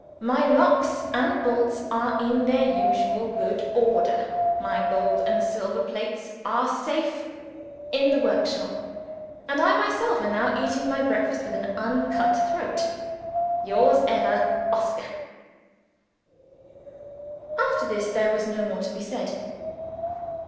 My locks and bolts are in their usual good order; my gold and silver plates are safe in the workshop: and I myself am now eating my breakfast with an uncut throat Yours ever, "OSCAR." After this, there was no more to be said.